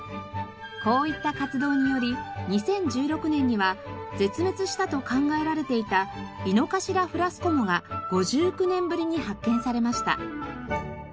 こういった活動により２０１６年には絶滅したと考えられていたイノカシラフラスコモが５９年ぶりに発見されました。